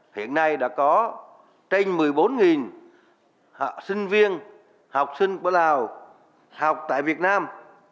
hiện nay đã có trên một mươi bốn sinh viên học sinh của lào học tại việt nam